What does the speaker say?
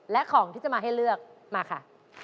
และของที่จะมาให้เลือกมาค่ะ